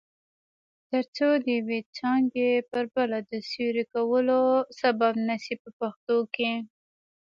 ترڅو د یوې څانګې پر بله د سیوري کولو سبب نشي په پښتو کې.